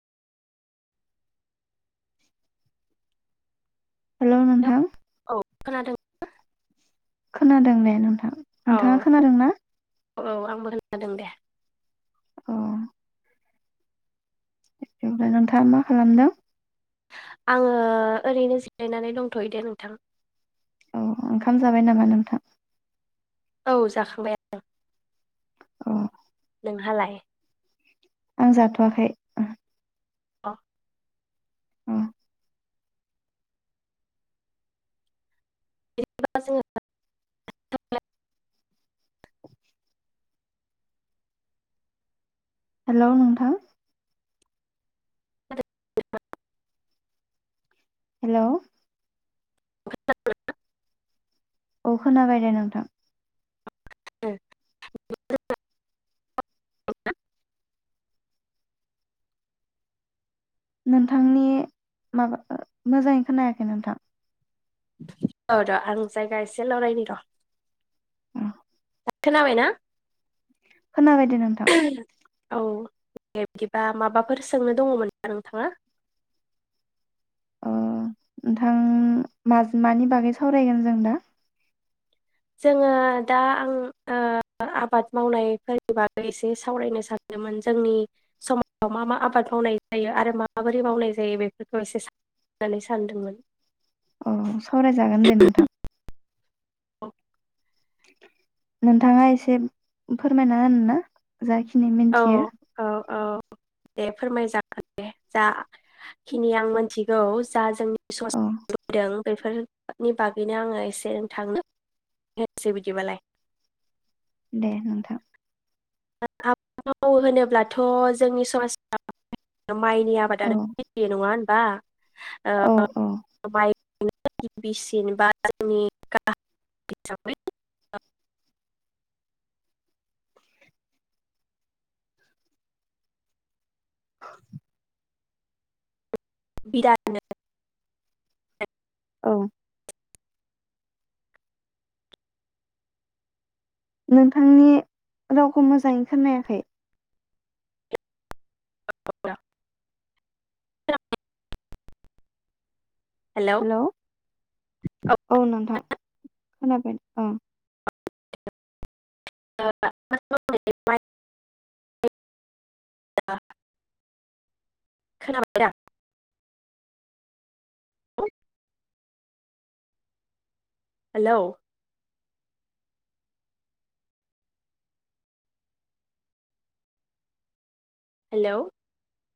हेल' hello नोंथां औ खोनादों। खोनादों दे नोंथां औ नोंथाङा खोनादोंना? औ आंबो खोनादों दे। अ' ओमफाय नोंथाङा मा खालामदों? आङो ओरैनो जिरायनानै दंथ'यो दे नोंथां। औ ओंखाम जाबाय नामा नोंथां? औ जाखांबाय। अ' नोंहालाय? आं जाथ'वाखै। अ' अ' [unintelligible] हेल' नोंथां हेल' खोनादोंना? औ खोनाबाय दे नोंथां। [unintelligible] नोंथांनि माबा ओ मोजाङै खोनायाखै नोंथां। औ र' आं जायगा एसे लरायनि र' खोनाबायना? खोनाबायदे नोंथां औ दे बिदिबा माबाफोर सोंनो दङमोन नोंथाङा? नोंथां मानि बागै सावरायगोन जों दा जोङो दा आं -ओ आबाद मावनायफोरनि बागै एसे सावरायनो सानदोंमोन जोंनि समाजाव मा मा आबाद मावनाय जायो आरो मा माबोरै मावनाय जायो बेफोरखौ एसे स होननानै सानदोंमोन। अ सावरायजागोन दे नोंथां। अ नोंथाङा एसे फोरमायना होनो? ना जाखिनि औ मिथियो औ औ दे फोरमायजागोन दे जाखिनि आं मोनथि औ जा जोंनि स औ फैदों [unintelligible] बेफोरनि बागैनो आङो एसे नोंथाङा होनसै बिदिबालाय दे नोंथां आबाद माव होनोब्लाथ' जोंनि समाज आबाद माइनि औ आबादानो ए नङा होमबा औ औ [unintelligible] बिरानो औ नोंथांनि रावखौ मोजाङै खोनायाखै [unintelligible] हेलौ हेल औ नोंथां खोनाबाय ओं हेल' माइ [unintelligible] [inaudible] हेलौ' हेलौ'